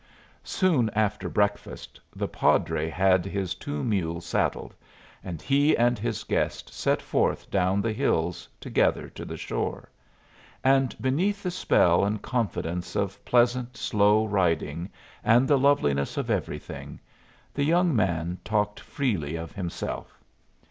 Soon after breakfast the padre had his two mules saddled, and he and his guest set forth down the hills together to the shore. And beneath the spell and confidence of pleasant, slow riding, and the loveliness of everything, the young man talked freely of himself.